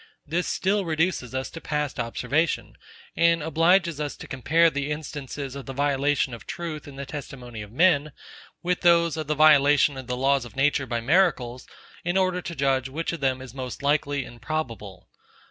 This still reduces us to past observation, and obliges us to compare the instances of the violation of truth in the testimony of men, with those of the violation of the laws of nature by miracles, in order to judge which of them is most likely and probable.